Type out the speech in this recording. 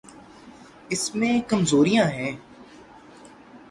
اس میں کمزوریاں ہیں۔